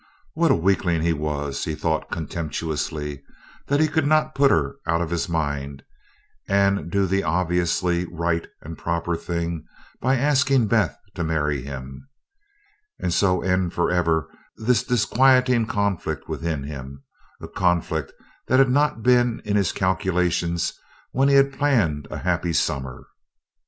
What a weakling he was, he thought contemptuously, that he could not put her out of his mind and do the obviously right and proper thing by asking Beth to marry him, and so end forever this disquieting conflict within him a conflict that had not been in his calculations when he had planned a happy summer.